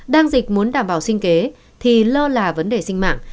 đang dịch muốn đảm bảo sinh kế thì lơ là vấn đề sinh mạng